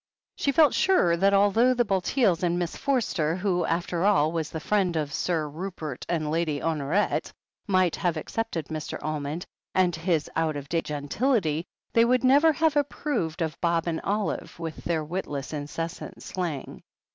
She felt sure that although the Bulteels and Miss Forster — ^who, after all, was the friend of Sir Rupert and Lady Honoret — ^might have accepted Mr. Almond and his out of date gentility, they would never have approved of Bob and Olive, with their witless, incessant slang.